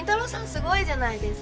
すごいじゃないですか。